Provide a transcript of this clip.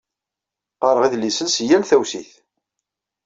Qqareɣ idlisen seg yal tawsit.